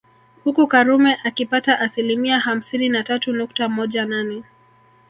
Huku Karume akipata asilimia hamsini na tatu nukta moja nane